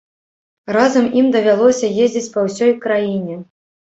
Разам ім давялося ездзіць па ўсёй краіне.